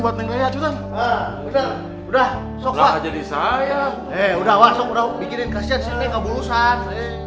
kasian sih neng gak berurusan